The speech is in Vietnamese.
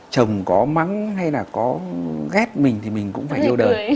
chồng có mắng hay là có ghét mình thì mình cũng phải yêu đời